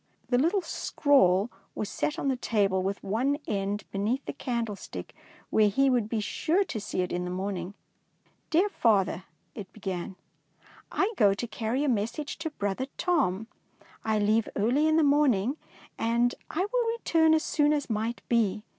The little scrawl was set on the table with one end be neath the candlestick, where he would be sure to see it in the morning. " Dear Father," it began. " I go to carry a message to brother Tom. I leave early in the morning, and will return as soon as might be.